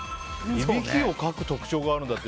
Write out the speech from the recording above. いびきをかく特徴があるんだって